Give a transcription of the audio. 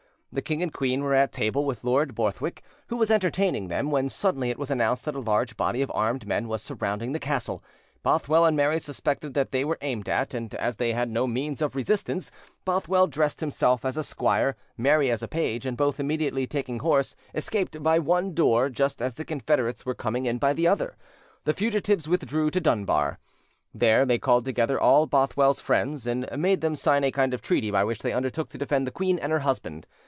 The king and queen were at table with Lord Borthwick, who was entertaining them, when suddenly it was announced that a large body of armed men was surrounding the castle: Bothwell and Mary suspected that they were aimed at, and as they had no means of resistance, Bothwell dressed himself as a squire, Mary as a page, and both immediately taking horse, escaped by one door just as the Confederates were coming in by the other. The fugitives withdrew to Dunbar. There they called together all Bothwell's friends, and made them sign a kind of treaty by which they undertook to defend the queen and her husband.